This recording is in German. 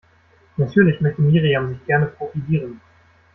Natürlich möchte Miriam sich gerne profilieren.